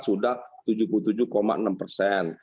sudah tujuh puluh tujuh enam persen